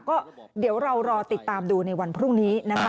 ก็เดี๋ยวเรารอติดตามดูในวันพรุ่งนี้นะคะ